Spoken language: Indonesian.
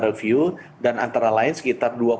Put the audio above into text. review dan antara lain sekitar